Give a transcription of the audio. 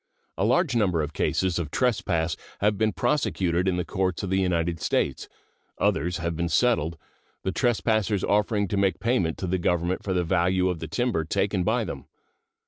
A large number of cases of trespass have been prosecuted in the courts of the United States; others have been settled, the trespassers offering to make payment to the Government for the value of the timber taken by them.